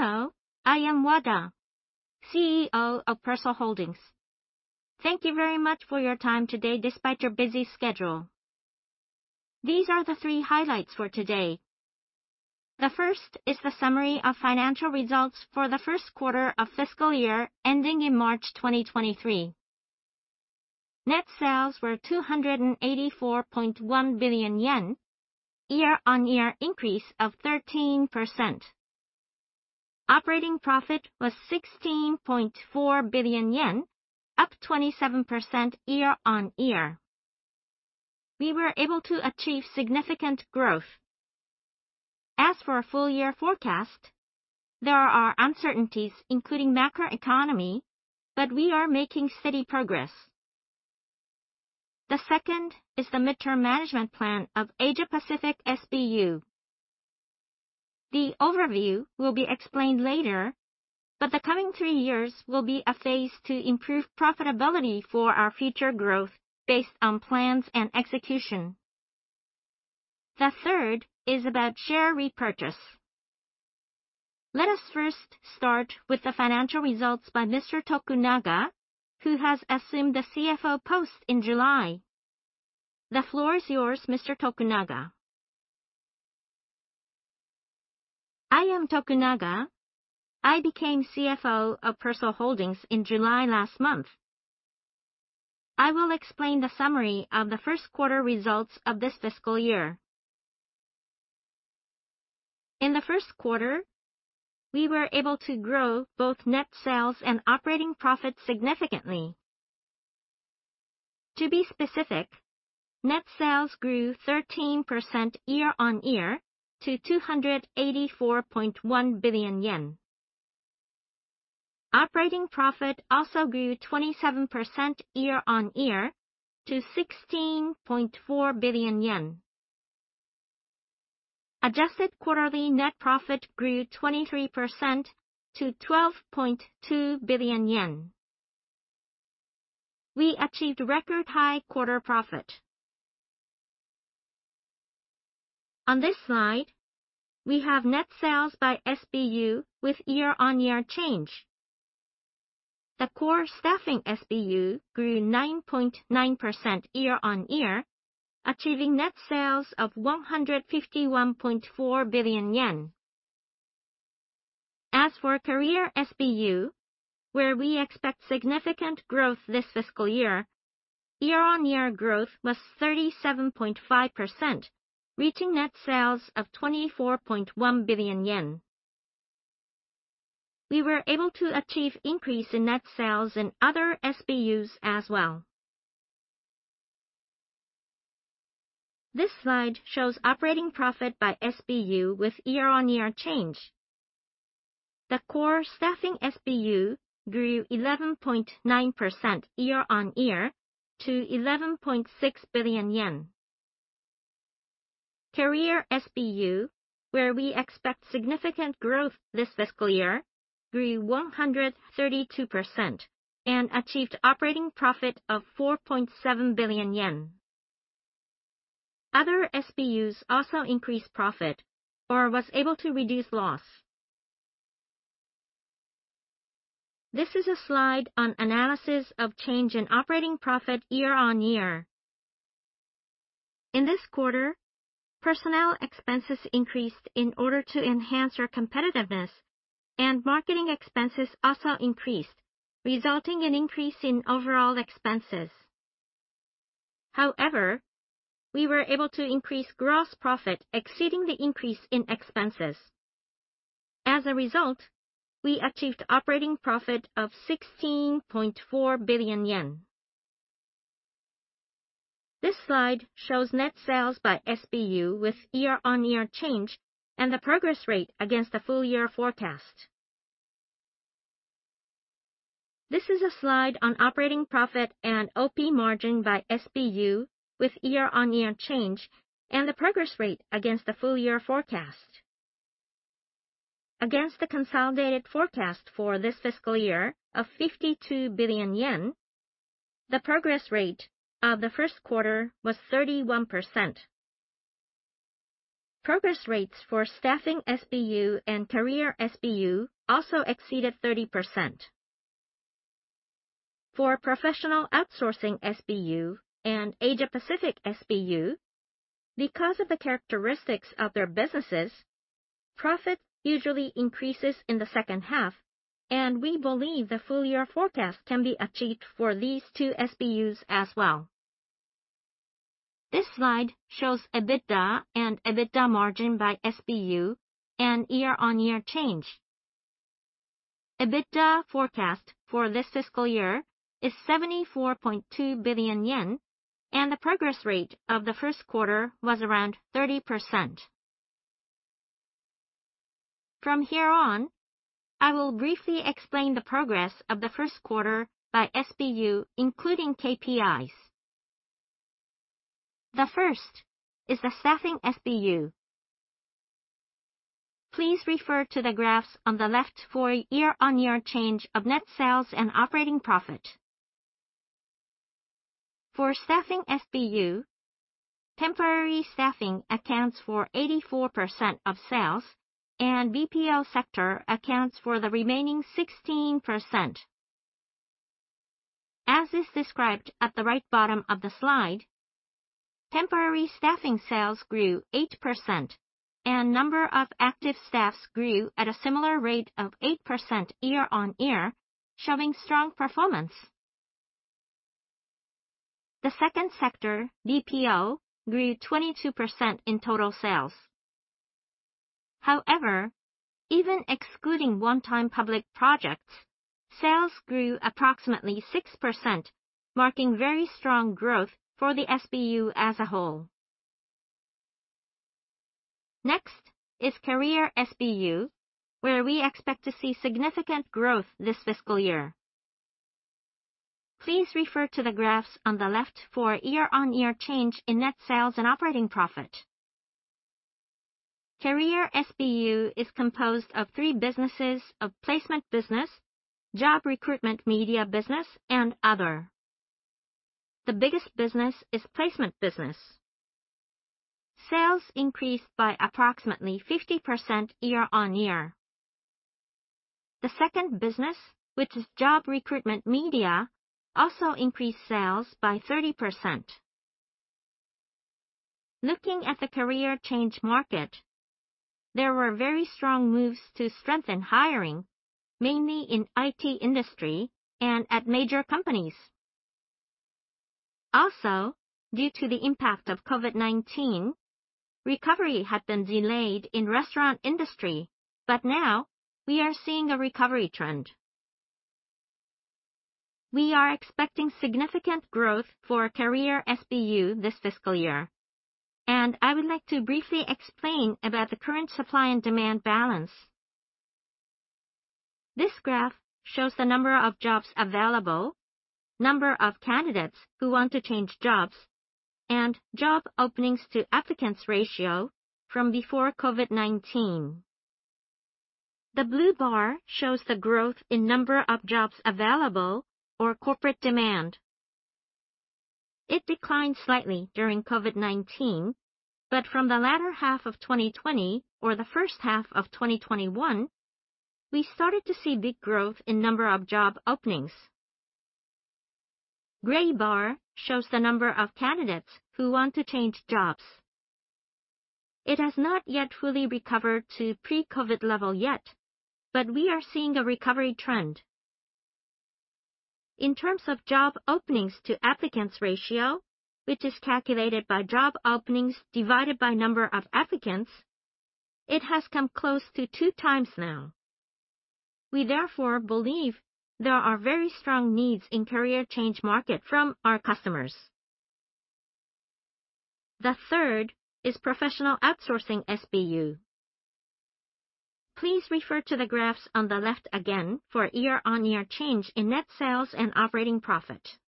Hello, I am Wada, CEO of Persol Holdings. Thank you very much for your time today despite your busy schedule. These are the three highlights for today. The first is the summary of financial results for the first quarter of fiscal year ending in March 2023. Net sales were 284.1 billion yen, year-on-year increase of 13%. Operating profit was 16.4 billion yen, up 27% year-on-year. We were able to achieve significant growth. As for our full year forecast, there are uncertainties, including macroeconomic, but we are making steady progress. The second is the midterm management plan of Asia Pacific SBU. The overview will be explained later, but the coming three years will be a phase to improve profitability for our future growth based on plans and execution. The third is about share repurchase. Let us first start with the financial results by Mr. Tokunaga, who has assumed the CFO post in July. The floor is yours, Mr. Tokunaga. I am Tokunaga. I became CFO of Persol Holdings in July last month. I will explain the summary of the first quarter results of this fiscal year. In the first quarter, we were able to grow both net sales and operating profit significantly. To be specific, net sales grew 13% year-on-year to JPY 284.1 billion. Operating profit also grew 27% year-on-year to JPY 16.4 billion. Adjusted quarterly net profit grew 23% to 12.2 billion yen. We achieved record high quarter profit. On this slide, we have net sales by SBU with year-on-year change. The core Staffing SBU grew 9.9% year-on-year, achieving net sales of 151.4 billion yen. As for Career SBU, where we expect significant growth this fiscal year-on-year growth was 37.5%, reaching net sales of 24.1 billion yen. We were able to achieve increase in net sales in other SBUs as well. This slide shows operating profit by SBU with year-on-year change. The core Staffing SBU grew 11.9% year-on-year to JPY 11.6 billion. Career SBU, where we expect significant growth this fiscal year, grew 132% and achieved operating profit of 4.7 billion yen. Other SBUs also increased profit or was able to reduce loss. This is a slide on analysis of change in operating profit year-on-year. In this quarter, personnel expenses increased in order to enhance our competitiveness and marketing expenses also increased, resulting in increase in overall expenses. However, we were able to increase gross profit exceeding the increase in expenses. As a result, we achieved operating profit of 16.4 billion yen. This slide shows net sales by SBU with year-on-year change and the progress rate against the full year forecast. This is a slide on operating profit and OP margin by SBU with year-on-year change and the progress rate against the full year forecast. Against the consolidated forecast for this fiscal year of 52 billion yen, the progress rate of the first quarter was 31%. Progress rates for staffing SBU and career SBU also exceeded 30%. For professional Outsourcing SBU and Asia Pacific SBU, because of the characteristics of their businesses, profit usually increases in the second half, and we believe the full year forecast can be achieved for these two SBUs as well. This slide shows EBITDA and EBITDA margin by SBU and year-on-year change. EBITDA forecast for this fiscal year is 74.2 billion yen, and the progress rate of the first quarter was around 30%. From here on, I will briefly explain the progress of the first quarter by SBU, including KPIs. The first is the staffing SBU. Please refer to the graphs on the left for year-on-year change of net sales and operating profit. For Staffing SBU, temporary staffing accounts for 84% of sales and BPO sector accounts for the remaining 16%. As is described at the right bottom of the slide, temporary staffing sales grew 8% and number of active staffs grew at a similar rate of 8% year-on-year, showing strong performance. The second sector, BPO, grew 22% in total sales. However, even excluding one-time public projects, sales grew approximately 6%, marking very strong growth for the SBU as a whole. Next is Career SBU, where we expect to see significant growth this fiscal year. Please refer to the graphs on the left for year-on-year change in net sales and operating profit. Career SBU is composed of three businesses of placement business, job recruitment media business, and other. The biggest business is placement business. Sales increased by approximately 50% year-on-year. The second business, which is job recruitment media, also increased sales by 30%. Looking at the career change market, there were very strong moves to strengthen hiring, mainly in IT industry and at major companies. Also, due to the impact of COVID-19, recovery had been delayed in restaurant industry, but now we are seeing a recovery trend. We are expecting significant growth for Career SBU this fiscal year, and I would like to briefly explain about the current supply and demand balance. This graph shows the number of jobs available, number of candidates who want to change jobs, and job openings to applicants ratio from before COVID-19. The blue bar shows the growth in number of jobs available or corporate demand. It declined slightly during COVID-19, but from the latter half of 2020 or the first half of 2021, we started to see big growth in number of job openings. Gray bar shows the number of candidates who want to change jobs. It has not yet fully recovered to pre-COVID-19 level yet, but we are seeing a recovery trend. In terms of job openings-to-applicants ratio, which is calculated by job openings divided by number of applicants, it has come close to two times now. We therefore believe there are very strong needs in career change market from our customers. The third is Professional Outsourcing SBU. Please refer to the graphs on the left again for year-on-year change in net sales and operating profit.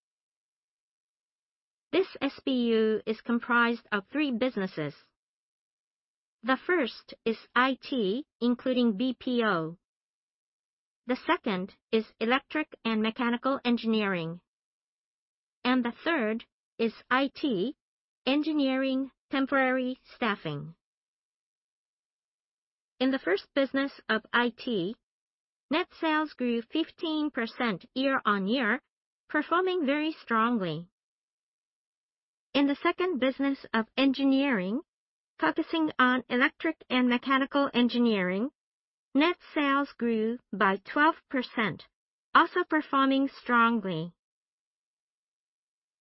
This SBU is comprised of three businesses. The first is IT, including BPO. The second is electrical and mechanical engineering. The third is IT, engineering temporary staffing. In the first business of IT, net sales grew 15% year-on-year, performing very strongly. In the second business of engineering, focusing on electric and mechanical engineering, net sales grew by 12%, also performing strongly.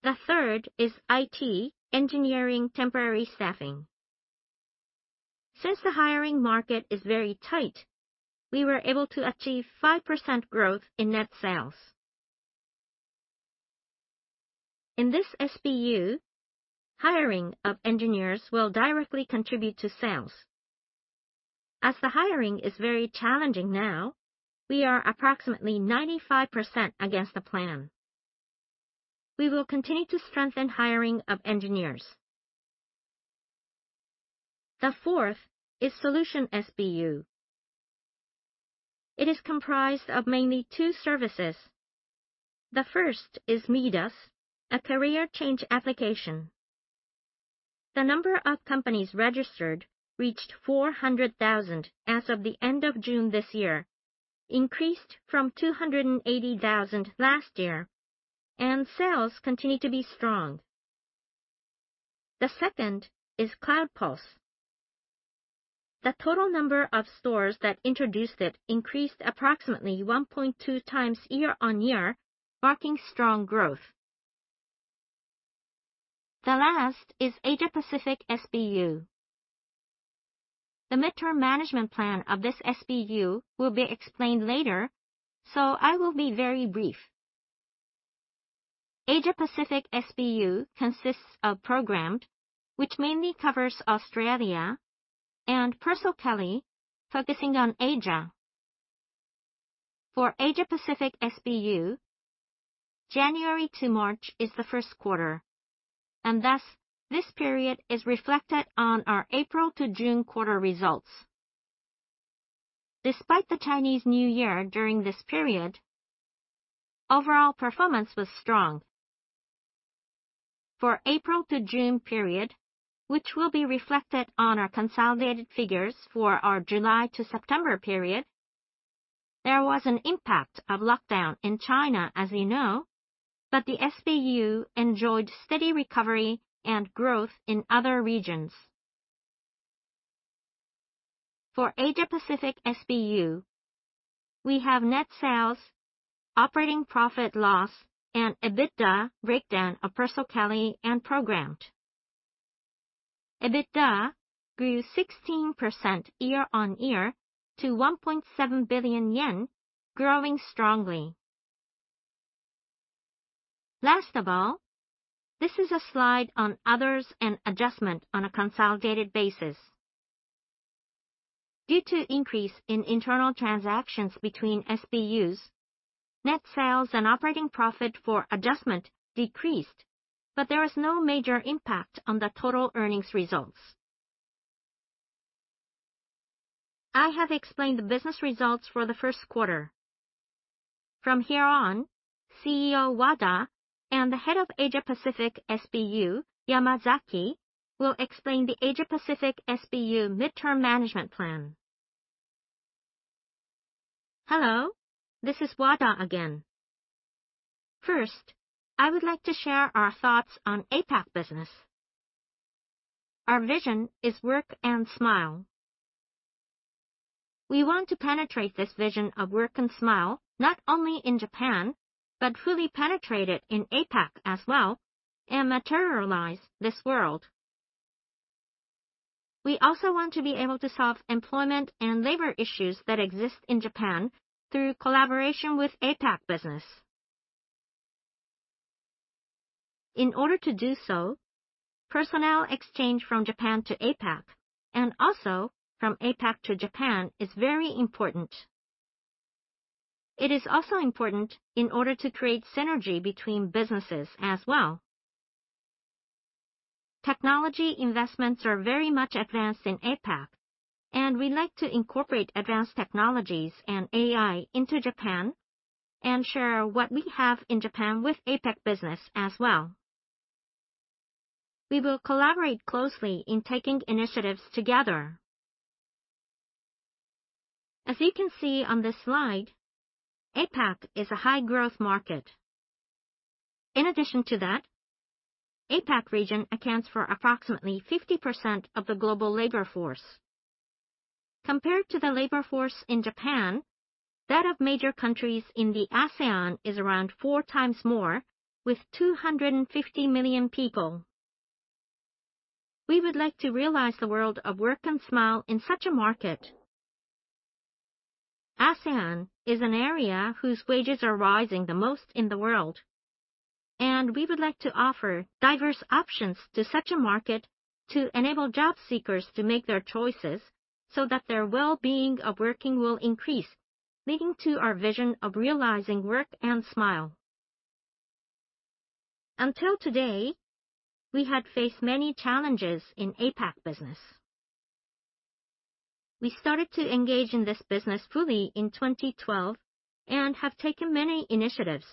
The third is IT, engineering temporary staffing. Since the hiring market is very tight, we were able to achieve 5% growth in net sales. In this SBU, hiring of engineers will directly contribute to sales. As the hiring is very challenging now, we are approximately 95% against the plan. We will continue to strengthen hiring of engineers. The fourth is Solution SBU. It is comprised of mainly two services. The first is MIIDAS, a career change application. The number of companies registered reached 400,000 as of the end of June this year, increased from 280,000 last year, and sales continue to be strong. The second is CLOUZA. The total number of stores that introduced it increased approximately 1.2 times year-on-year, marking strong growth. The last is Asia Pacific SBU. The midterm management plan of this SBU will be explained later, so I will be very brief. Asia Pacific SBU consists of Programmed, which mainly covers Australia, and PERSOLKELLY, focusing on Asia. For Asia Pacific SBU, January to March is the first quarter, and thus this period is reflected on our April to June quarter results. Despite the Chinese New Year during this period, overall performance was strong. For April to June period, which will be reflected on our consolidated figures for our July to September period, there was an impact of lockdown in China, as you know, but the SBU enjoyed steady recovery and growth in other regions. For Asia Pacific SBU, we have net sales, operating profit loss, and EBITDA breakdown of Persol and Programmed. EBITDA grew 16% year-on-year to 1.7 billion yen, growing strongly. Last of all, this is a slide on others and adjustment on a consolidated basis. Due to increase in internal transactions between SBUs, net sales and operating profit for adjustment decreased, but there is no major impact on the total earnings results. I have explained the business results for the first quarter. From here on, CEO Wada and the Head of Asia Pacific SBU, Yamazaki, will explain the Asia Pacific SBU mid-term management plan. Hello. This is Wada again. First, I would like to share our thoughts on APAC business. Our vision is work and smile. We want to penetrate this vision of work and smile, not only in Japan, but fully penetrate it in APAC as well and materialize this world. We also want to be able to solve employment and labor issues that exist in Japan through collaboration with APAC business. In order to do so, personnel exchange from Japan to APAC and also from APAC to Japan is very important. It is also important in order to create synergy between businesses as well. Technology investments are very much advanced in APAC, and we'd like to incorporate advanced technologies and AI into Japan and share what we have in Japan with APAC business as well. We will collaborate closely in taking initiatives together. As you can see on this slide, APAC is a high-growth market. In addition to that, APAC region accounts for approximately 50% of the global labor force. Compared to the labor force in Japan, that of major countries in the ASEAN is around four times more with 250 million people. We would like to realize the world of work and smile in such a market. ASEAN is an area whose wages are rising the most in the world, and we would like to offer diverse options to such a market to enable job seekers to make their choices so that their well-being of working will increase, leading to our vision of realizing work and smile. Until today, we had faced many challenges in APAC business. We started to engage in this business fully in 2012 and have taken many initiatives.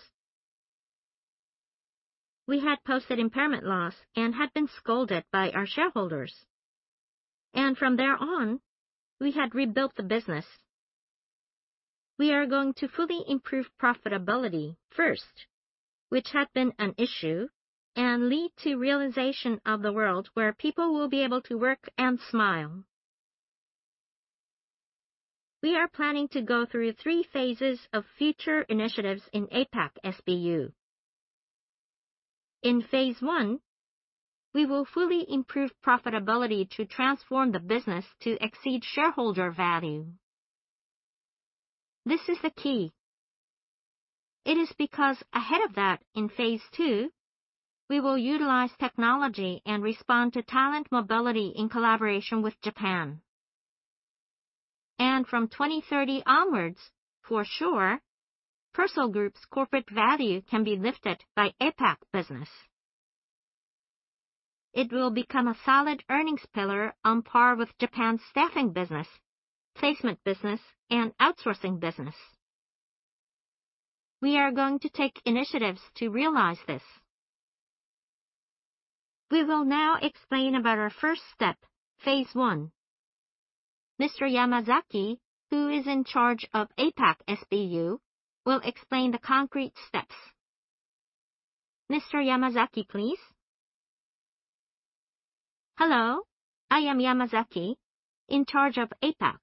We had posted impairment loss and had been scolded by our shareholders. From there on, we had rebuilt the business. We are going to fully improve profitability first, which had been an issue, and lead to realization of the world where people will be able to work and smile. We are planning to go through three phases of future initiatives in APAC SBU. In phase one, we will fully improve profitability to transform the business to exceed shareholder value. This is the key. It is because ahead of that, in phase two, we will utilize technology and respond to talent mobility in collaboration with Japan. From 2030 onwards, for sure, Persol Group's corporate value can be lifted by APAC business. It will become a solid earnings pillar on par with Japan staffing business, placement business, and outsourcing business. We are going to take initiatives to realize this. We will now explain about our first step, phase one. Mr. Yamazaki, who is in charge of APAC SBU, will explain the concrete steps. Mr. Yamazaki, please. Hello. I am Yamazaki, in charge of APAC.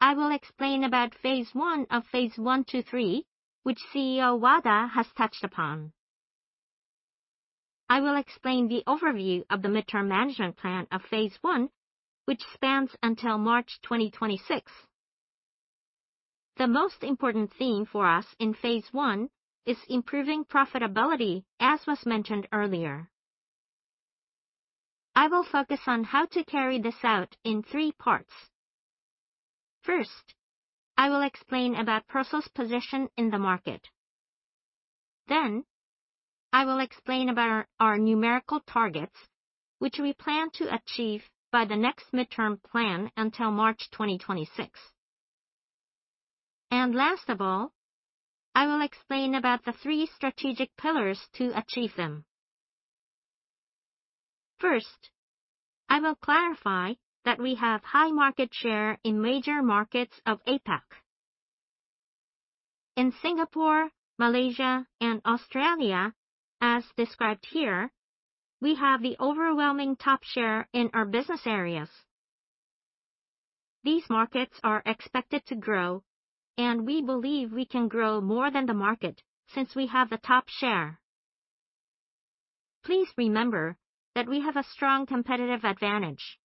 I will explain about phase one of phase one to three, which CEO Wada has touched upon. I will explain the overview of the midterm management plan of phase one, which spans until March 2026. The most important theme for us in phase one is improving profitability, as was mentioned earlier. I will focus on how to carry this out in three parts. First, I will explain about Persol's position in the market. Then I will explain about our numerical targets, which we plan to achieve by the next midterm plan until March 2026. Last of all, I will explain about the three strategic pillars to achieve them. First, I will clarify that we have high market share in major markets of APAC. In Singapore, Malaysia and Australia, as described here, we have the overwhelming top share in our business areas. These markets are expected to grow and we believe we can grow more than the market since we have the top share. Please remember that we have a strong competitive advantage.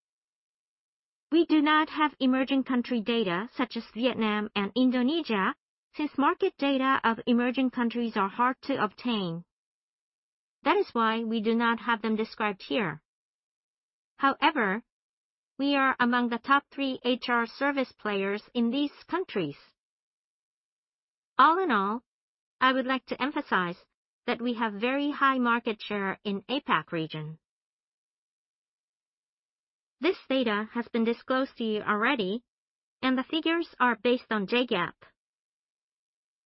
We do not have emerging country data such as Vietnam and Indonesia, since market data of emerging countries are hard to obtain. That is why we do not have them described here. However, we are among the top three HR service players in these countries. All in all, I would like to emphasize that we have very high market share in APAC region. This data has been disclosed to you already, and the figures are based on JGAAP.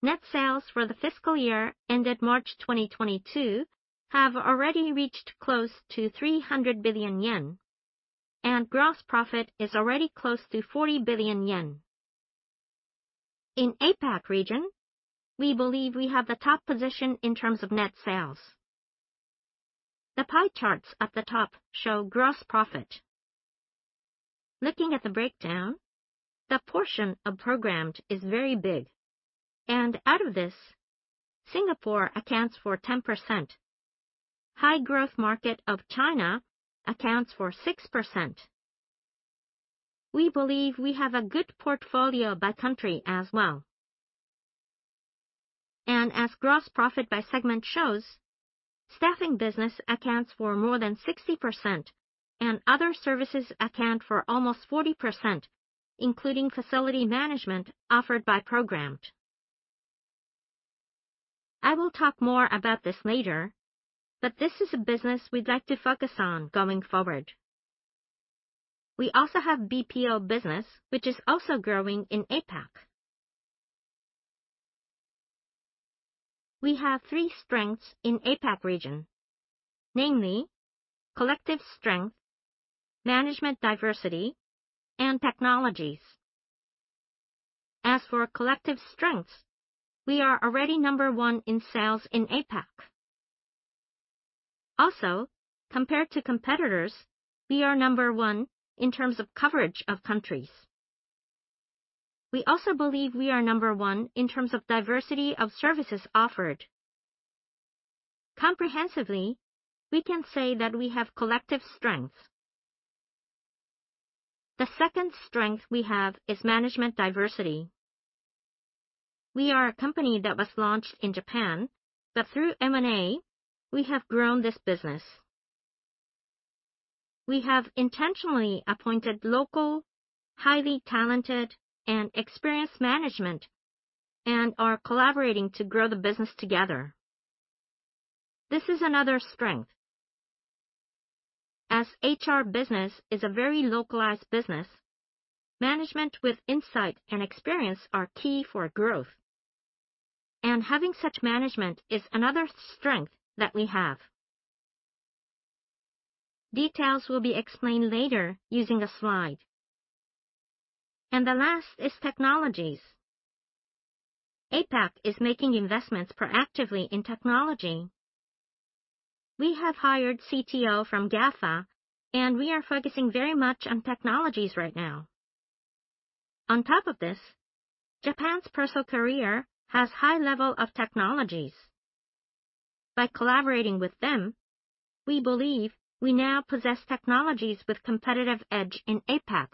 Net sales for the fiscal year ended March 2022 have already reached close to 300 billion yen, and gross profit is already close to 40 billion yen. In APAC region, we believe we have the top position in terms of net sales. The pie charts at the top show gross profit. Looking at the breakdown, the portion of Programmed is very big. Out of this, Singapore accounts for 10%. High growth market of China accounts for 6%. We believe we have a good portfolio by country as well. As gross profit by segment shows, staffing business accounts for more than 60% and other services account for almost 40%, including facility management offered by Programmed. I will talk more about this later, but this is a business we'd like to focus on going forward. We also have BPO business, which is also growing in APAC. We have three strengths in APAC region, namely collective strength, management diversity and technologies. As for collective strengths, we are already number one in sales in APAC. Also, compared to competitors, we are number one in terms of coverage of countries. We also believe we are number one in terms of diversity of services offered. Comprehensively, we can say that we have collective strengths. The second strength we have is management diversity. We are a company that was launched in Japan, but through M&A we have grown this business. We have intentionally appointed local, highly talented and experienced management, and are collaborating to grow the business together. This is another strength. As HR business is a very localized business, management with insight and experience are key for growth. Having such management is another strength that we have. Details will be explained later using a slide. The last is technologies. APAC is making investments proactively in technology. We have hired CTO from GAFA and we are focusing very much on technologies right now. On top of this, Japan's Persol Career has high level of technologies. By collaborating with them, we believe we now possess technologies with competitive edge in APAC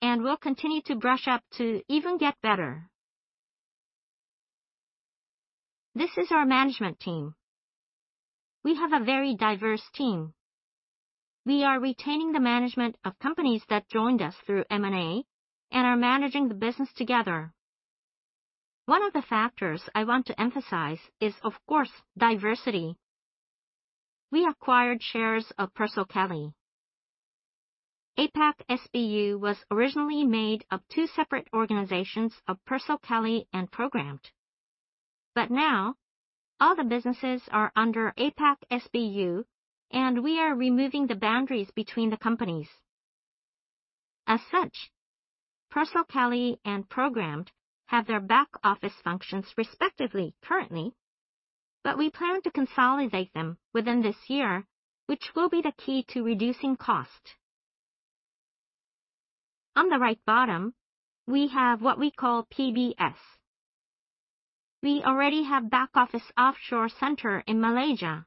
and will continue to brush up to even get better. This is our management team. We have a very diverse team. We are retaining the management of companies that joined us through M&A and are managing the business together. One of the factors I want to emphasize is, of course, diversity. We acquired shares of PERSOLKELLY. APAC SBU was originally made of two separate organizations of PersolKelly and Programmed. Now all the businesses are under APAC SBU and we are removing the boundaries between the companies. As such, PersolKelly and Programmed have their back-office functions respectively currently, but we plan to consolidate them within this year, which will be the key to reducing cost. On the right bottom, we have what we call PBS. We already have back-office offshore center in Malaysia.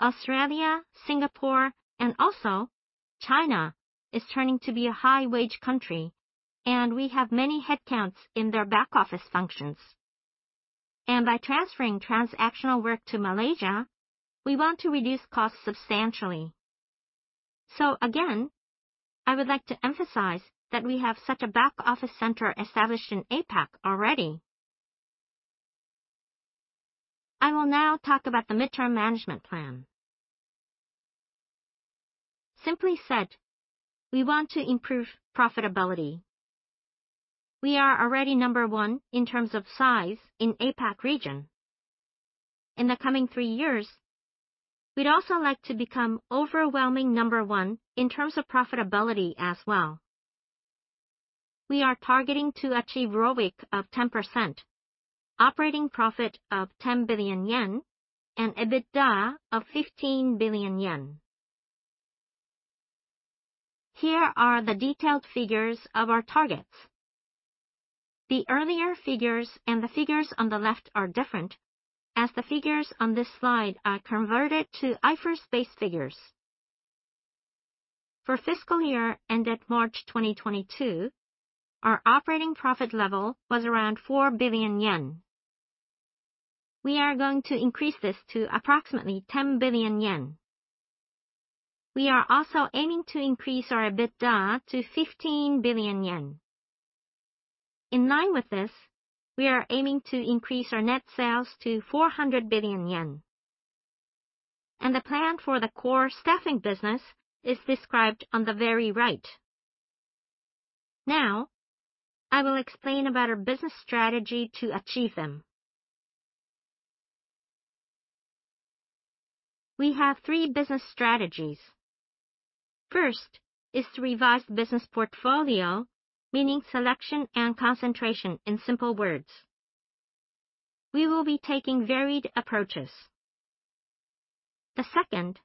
Australia, Singapore and also China is turning to be a high-wage country and we have many headcounts in their back-office functions. By transferring transactional work to Malaysia, we want to reduce costs substantially. Again, I would like to emphasize that we have such a back-office center established in APAC already. I will now talk about the midterm management plan. Simply said, we want to improve profitability. We are already number one in terms of size in APAC region. In the coming 3 years, we'd also like to become overwhelming number one in terms of profitability as well. We are targeting to achieve ROIC of 10%, operating profit of 10 billion yen, and EBITDA of 15 billion yen. Here are the detailed figures of our targets. The earlier figures and the figures on the left are different, as the figures on this slide are converted to IFRS-based figures. For fiscal year ended March 2022, our operating profit level was around 4 billion yen. We are going to increase this to approximately 10 billion yen. We are also aiming to increase our EBITDA to 15 billion yen. In line with this, we are aiming to increase our net sales to 400 billion yen. The plan for the core staffing business is described on the very right. Now, I will explain about our business strategy to achieve them. We have three business strategies. First is to revise the business portfolio, meaning selection and concentration in simple words. We will be taking varied approaches. The second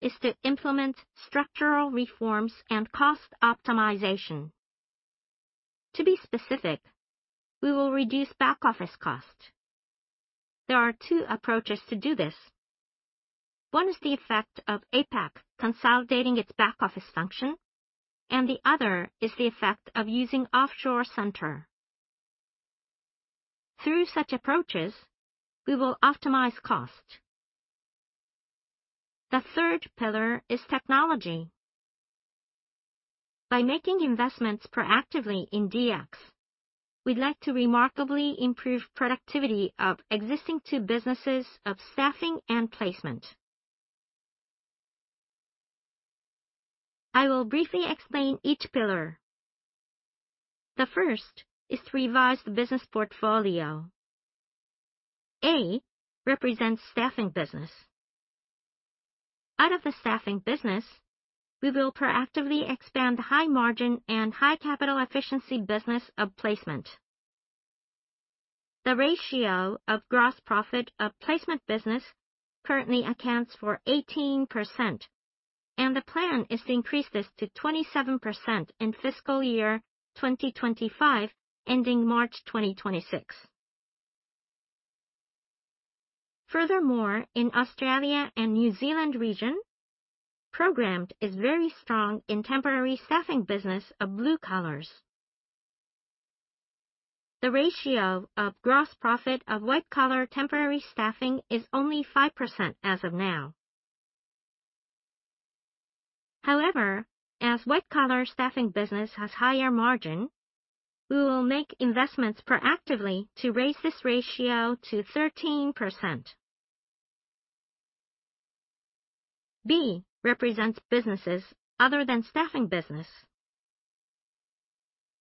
is to implement structural reforms and cost optimization. To be specific, we will reduce back-office cost. There are two approaches to do this. One is the effect of APAC consolidating its back-office function, and the other is the effect of using offshore center. Through such approaches, we will optimize cost. The third pillar is technology. By making investments proactively in DX, we'd like to remarkably improve productivity of existing two businesses of staffing and placement. I will briefly explain each pillar. The first is to revise the business portfolio. A represents staffing business. Out of the staffing business, we will proactively expand high margin and high capital efficiency business of placement. The ratio of gross profit of placement business currently accounts for 18%, and the plan is to increase this to 27% in fiscal year 2025, ending March 2026. Furthermore, in Australia and New Zealand region, Programmed is very strong in temporary staffing business of blue-collar. The ratio of gross profit of white-collar temporary staffing is only 5% as of now. However, as white-collar staffing business has higher margin, we will make investments proactively to raise this ratio to 13%. B represents businesses other than staffing business.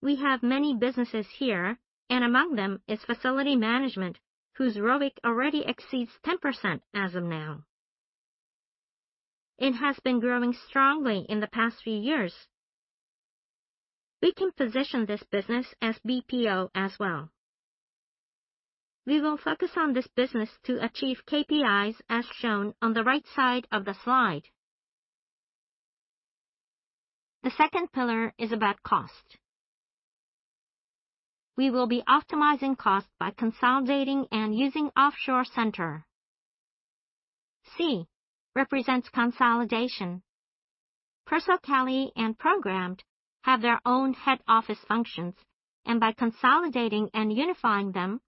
We have many businesses here, and among them is facility management, whose ROIC already exceeds 10% as of now. It has been growing strongly in the past few years. We can position this business as BPO as well. We will focus on this business to achieve KPIs as shown on the right side of the slide. The second pillar is about cost. We will be optimizing cost by consolidating and using offshore center. C represents consolidation. Persol Career and Programmed have their own head office functions, and by consolidating and unifying them,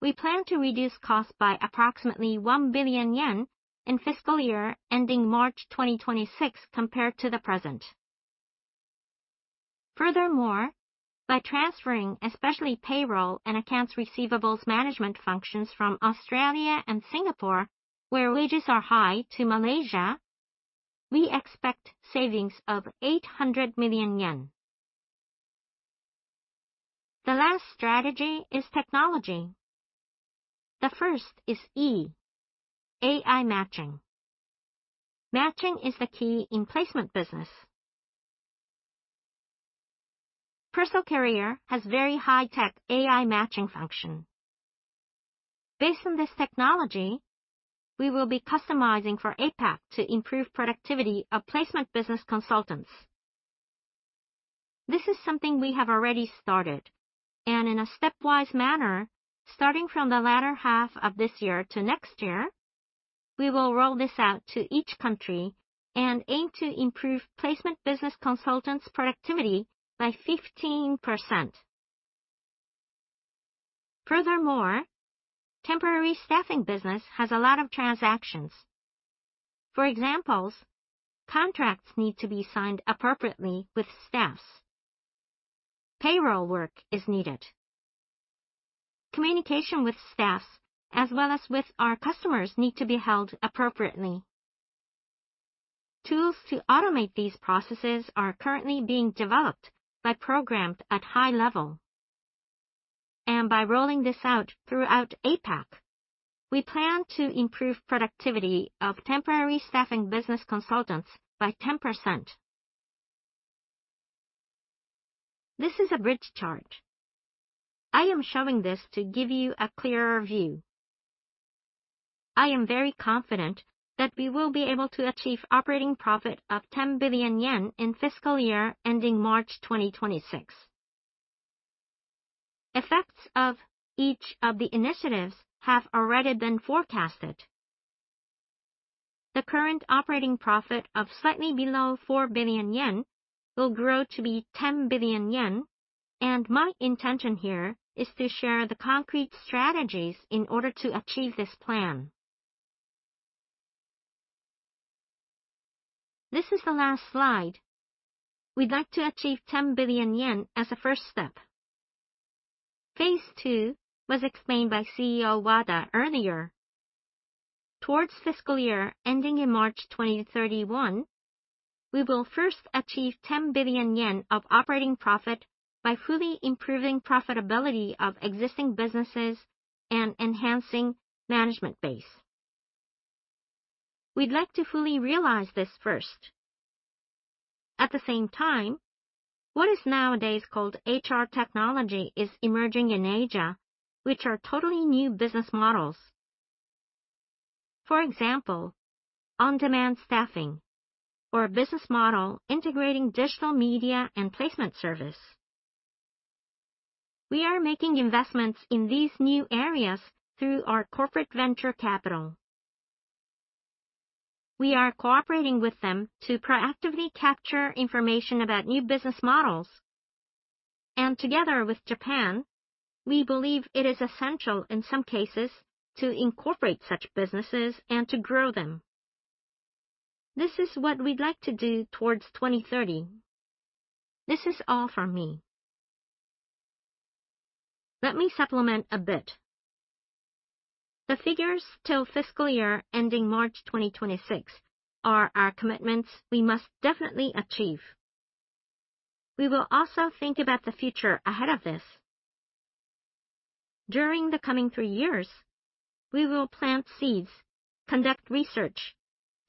we plan to reduce cost by approximately 1 billion yen in fiscal year ending March 2026 compared to the present. Furthermore, by transferring especially payroll and accounts receivables management functions from Australia and Singapore, where wages are high, to Malaysia, we expect savings of 800 million yen. The last strategy is technology. The first is E, AI matching. Matching is the key in placement business. Persol Career has very high-tech AI matching function. Based on this technology, we will be customizing for APAC to improve productivity of placement business consultants. This is something we have already started, and in a stepwise manner, starting from the latter half of this year to next year, we will roll this out to each country and aim to improve placement business consultants' productivity by 15%. Furthermore, temporary staffing business has a lot of transactions. For example, contracts need to be signed appropriately with staff. Payroll work is needed. Communication with staff as well as with our customers need to be held appropriately. Tools to automate these processes are currently being developed by Programmed at high level. By rolling this out throughout APAC, we plan to improve productivity of temporary staffing business consultants by 10%. This is a bridge chart. I am showing this to give you a clearer view. I am very confident that we will be able to achieve operating profit of 10 billion yen in fiscal year ending March 2026. Effects of each of the initiatives have already been forecasted. The current operating profit of slightly below 4 billion yen will grow to be 10 billion yen, and my intention here is to share the concrete strategies in order to achieve this plan. This is the last slide. We'd like to achieve 10 billion yen as a first step. Phase two was explained by CEO Wada earlier. Towards fiscal year ending in March 2031, we will first achieve 10 billion yen of operating profit by fully improving profitability of existing businesses and enhancing management base. We'd like to fully realize this first. At the same time, what is nowadays called HR technology is emerging in Asia, which are totally new business models. For example, on-demand staffing or a business model integrating digital media and placement service. We are making investments in these new areas through our corporate venture capital. We are cooperating with them to proactively capture information about new business models. Together with Japan, we believe it is essential in some cases to incorporate such businesses and to grow them. This is what we'd like to do towards 2030. This is all from me. Let me supplement a bit. The figures 'til fiscal year ending March 2026 are our commitments we must definitely achieve. We will also think about the future ahead of this. During the coming three years, we will plant seeds, conduct research,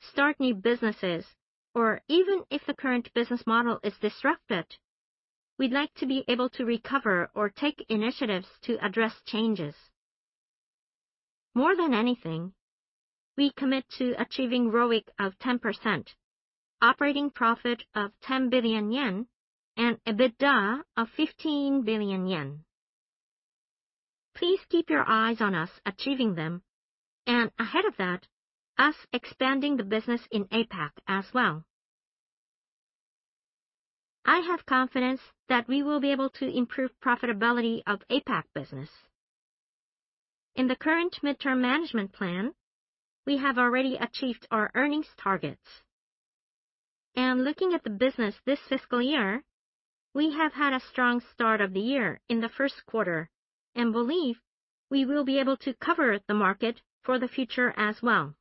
start new businesses, or even if the current business model is disrupted, we'd like to be able to recover or take initiatives to address changes. More than anything, we commit to achieving ROIC of 10%, operating profit of 10 billion yen, and EBITDA of 15 billion yen. Please keep your eyes on us achieving them, and ahead of that, us expanding the business in APAC as well. I have confidence that we will be able to improve profitability of APAC business. In the current midterm management plan, we have already achieved our earnings targets. Looking at the business this fiscal year, we have had a strong start of the year in the first quarter and believe we will be able to cover the market for the future as well.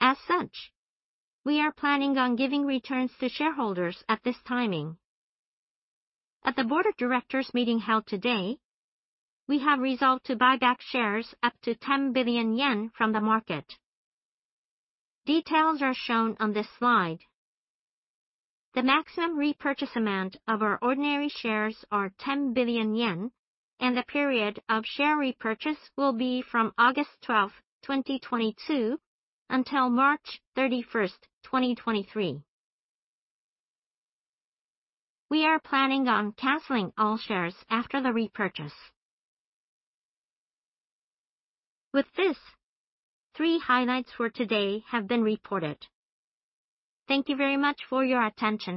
As such, we are planning on giving returns to shareholders at this timing. At the board of directors meeting held today, we have resolved to buy back shares up to 10 billion yen from the market. Details are shown on this slide. The maximum repurchase amount of our ordinary shares are 10 billion yen, and the period of share repurchase will be from August 12, 2022 until March 31, 2023. We are planning on canceling all shares after the repurchase. With this, three highlights for today have been reported. Thank you very much for your attention.